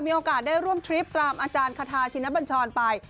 มีโอกาสได้ร่วมทริปตามอาจารย์คาทาชินบัญชรไป